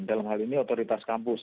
dalam hal ini otoritas kampus